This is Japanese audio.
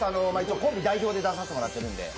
コンビ代表で出させてもらっているんで。